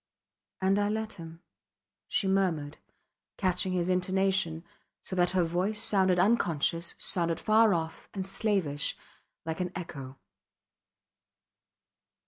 And I let him, she murmured, catching his intonation, so that her voice sounded unconscious, sounded far off and slavish, like an echo.